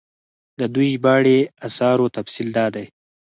د دوي ژباړلي اثارو تفصيل دا دی